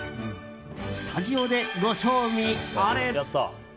スタジオでご賞味あれ。